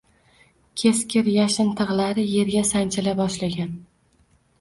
Keskir yashin tig’lari yerga sanchila boshlagan.